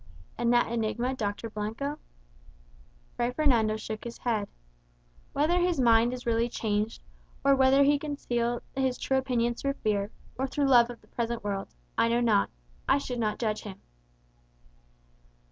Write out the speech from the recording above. "And that enigma, Dr. Blanco?" Fray Fernando shook his head. "Whether his mind was really changed, or whether he concealed his true opinions through fear, or through love of the present world, I know not I should not judge him."